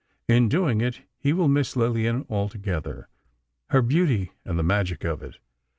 In doing it he will miss Lillian altogether—her beauty and the magic of it.